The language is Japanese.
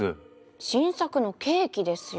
新作のケーキですよ。